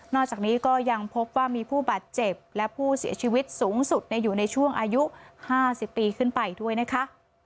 จากนี้ก็ยังพบว่ามีผู้บาดเจ็บและผู้เสียชีวิตสูงสุดอยู่ในช่วงอายุ๕๐ปีขึ้นไปด้วยนะคะ